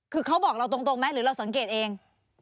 คือเขาบอกเราตรงไหมหรือเราสังเกตเอง